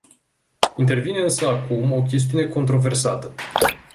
Intervine însă acum o chestiune controversată.